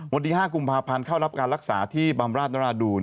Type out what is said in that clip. วันที่๕กุมภาพันธ์เข้ารับการรักษาที่บำราชนราดูล